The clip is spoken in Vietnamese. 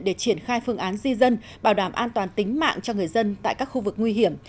để triển khai phương án di dân bảo đảm an toàn tính mạng cho người dân tại các khu vực nguy hiểm